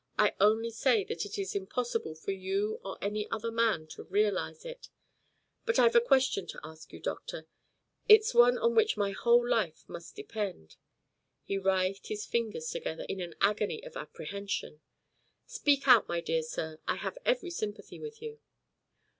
I only say that it is impossible for you or any other man to realise it. But I've a question to ask you, doctor. It's one on which my whole life must depend." He writhed his fingers together in an agony of apprehension. "Speak out, my dear sir. I have every sympathy with you."